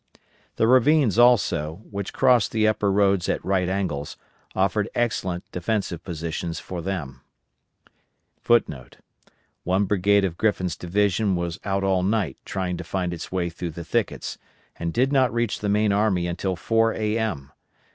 The ravines also, which crossed the upper roads at right angles, offered excellent defensive positions for them. [* One brigade of Griffin's division was out all night trying to find its way through the thickets, and did not reach the main army until 4 A.M.